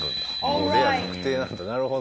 もうレア確定なるほど。